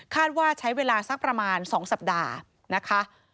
ว่าใช้เวลาสักประมาณ๒สัปดาห์นะคะ